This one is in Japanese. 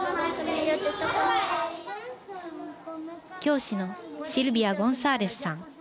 教師のシルビア・ゴンサーレスさん。